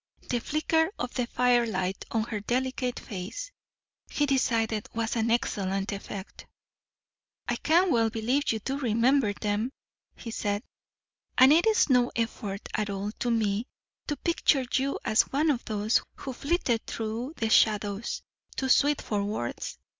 The flicker of the firelight on her delicate face, he decided, was an excellent effect. "I can well believe you do remember them," he said. "And it's no effort at all to me to picture you as one of those who flitted through the shadows too sweet for words.